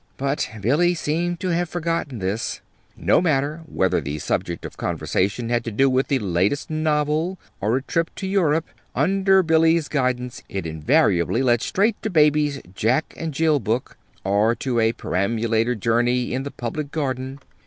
But Billy seemed to have forgotten this. No matter whether the subject of conversation had to do with the latest novel or a trip to Europe, under Billy's guidance it invariably led straight to Baby's Jack and Jill book, or to a perambulator journey in the Public Garden.